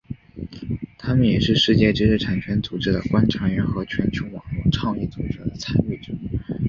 他们也是世界知识产权组织的观察员和全球网络倡议组织的参与者。